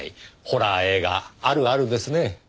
「ホラー映画あるある」ですね。